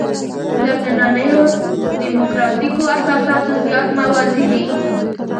تر نننیو دیموکراتیکو اساساتو زیات موازي دي.